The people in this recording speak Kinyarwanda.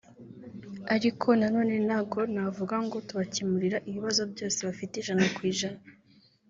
ariko na none ntabwo navuga ngo tubakemurira ibibazo byose bafite ijana ku ijana